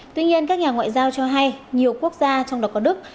tuy nhiên các nhà ngoại giao cho hay nhiều quốc gia trong đó có đức